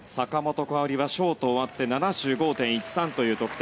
坂本花織はショート終わって７５．１３という得点。